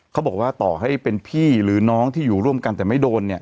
เขาบอกว่าต่อให้เป็นพี่หรือน้องที่อยู่ร่วมกันแต่ไม่โดนเนี่ย